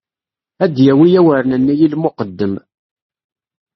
Ad d-yawi awren-nni i lmuqeddem.